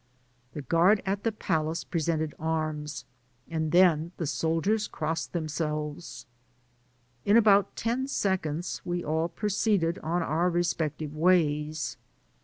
The guard at the palace presented arms, and then the soldiers crossed themselves; in about ten seconds we all proce^ed on our respective ways.